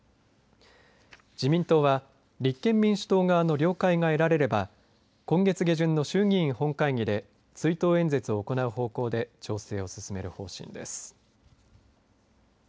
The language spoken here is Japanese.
自民党は立憲民主党側の了解が得られれば今月下旬の衆議院本会議で追悼演説を行う方向で調整を進める方針です。